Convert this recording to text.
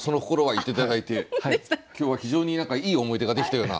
言って頂いて今日は非常に何かいい思い出ができたような。